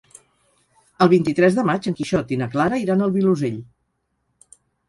El vint-i-tres de maig en Quixot i na Clara iran al Vilosell.